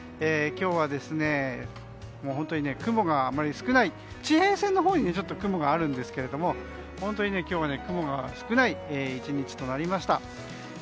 今日は本当に雲があまり少ない地平線のほうにちょっと雲があるんですけども本当に今日は雲が少ない１日となりました。